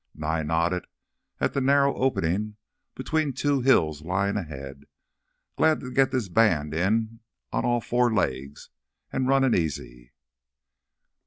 Nye nodded at the narrow opening between two hills lying ahead. "Glad to get this band in on all four legs an' runnin' easy."